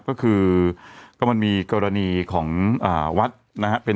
ก็คือก็มันมีกรณีของวัดนะฮะ